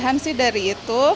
saya mencoba menyisihkan dari itu